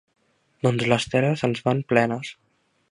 Doncs les teles en van plenes.